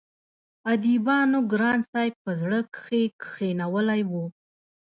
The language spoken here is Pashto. اديبانو ګران صاحب په زړه کښې کښينولی وو